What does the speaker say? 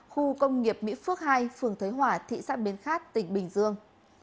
khu công nghiệp mỹ phước hai phường thấy hỏa thị xã biến khát tỉnh bình dương